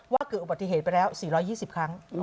เกิดอุบัติเหตุไปแล้ว๔๒๐ครั้ง